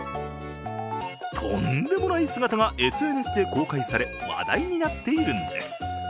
とんでもない姿がＳＮＳで公開され話題になっているんです。